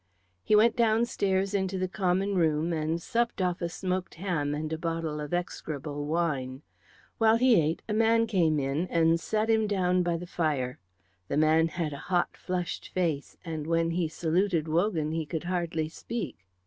He went downstairs into the common room and supped off a smoked ham and a bottle of execrable wine. While he ate a man came in and sat him down by the fire. The man had a hot, flushed face, and when he saluted Wogan he could hardly speak.